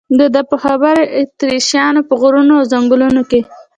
د ده په خبره اتریشیانو په غرونو او ځنګلونو کې.